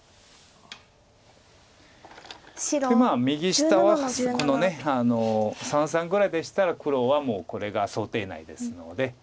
右下はこの三々ぐらいでしたら黒はもうこれが想定内ですので。